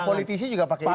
para politisi juga pakai itu